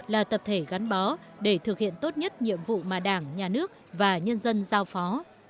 là tập thể gắn bó để thực hiện tốt nhất nhiệm vụ mà đảng nhà nước và nhân dân giao phó